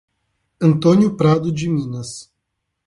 Antônio Prado de Minas